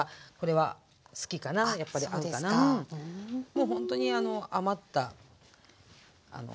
もうほんとに余ったねえ